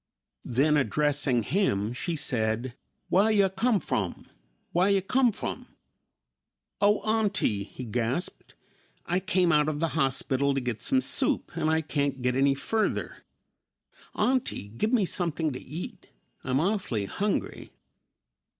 Then addressing him, she said, "Wah yo' come from? Wah yo' come from?" "Oh, auntie," he gasped, "I came out of the hospital to get some soup and I can't get any further. Auntie, give me something to eat; I'm awfully hungry!"